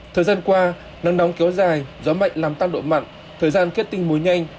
thời gian qua nắng nóng kéo dài gió mạnh làm tăng độ mặn thời gian kết tinh muối nhanh